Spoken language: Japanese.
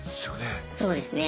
そうですね。